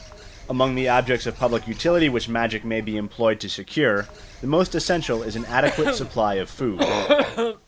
Among the objects of public utility which magic may be employed to secure, the most essential is an adequate supply of food.